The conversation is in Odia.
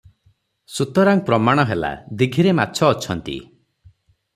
ସୁତରାଂ ପ୍ରମାଣ ହେଲା, ଦୀଘିରେ ମାଛ ଅଛନ୍ତି ।